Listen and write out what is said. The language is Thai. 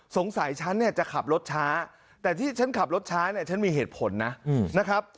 ฉันเนี่ยจะขับรถช้าแต่ที่ฉันขับรถช้าเนี่ยฉันมีเหตุผลนะนะครับ